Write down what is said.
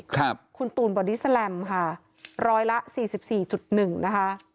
คุณตูนบอดี้แซลมค่ะร้อยละ๔๔๑นะคะ